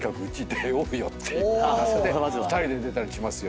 ていう２人で出たりしますよ。